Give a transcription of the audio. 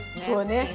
そうね。